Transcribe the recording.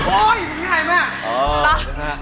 โอ้ยมีใครมา